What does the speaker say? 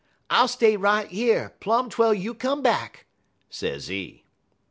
I'll stay right yer, plum twel you come back,' sezee.